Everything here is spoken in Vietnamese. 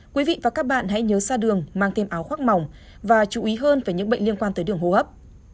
quý vị và các bạn hãy nhớ ra đường mang thêm áo khoác mỏng và chú ý hơn về những bệnh liên quan tới đường hô hấp